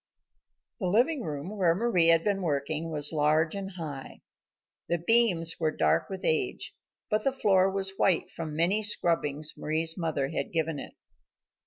The living room, where Mari had been working, was large and high. The beams were dark with age, but the floor was white from the many scrubbings Mari's mother had given it.